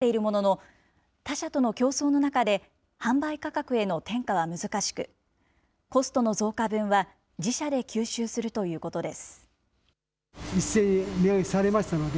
感染対策でアクリル板の需要は高まっているものの、他社との競争の中で販売価格への転嫁は難しく、コストの増加分は、自社で吸収するということです。